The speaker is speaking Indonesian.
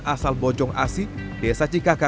asal bojong asi desa cikaka